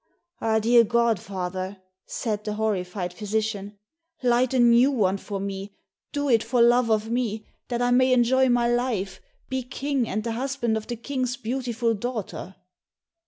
"Ah, dear godfather," said the horrified physician, "light a new one for me, do it for love of me, that I may enjoy my life, be King, and the husband of the King's beautiful daughter."